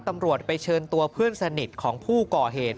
ตำรวจไปเชิญตัวเพื่อนสนิทของผู้ก่อเหตุ